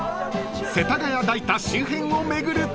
［世田谷代田周辺を巡る旅］